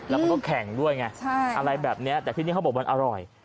แล้วมันก็แข่งด้วยไงอะไรแบบนี้แต่ที่นี่เขาบอกมันอร่อย